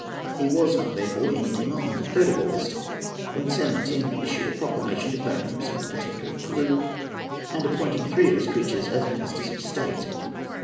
He was not, therefore, in Lima on the 3rd of August, when San Martin issued a proclamation declaring himself Protector of Peru, and appointing three of his creatures as his Ministers of State.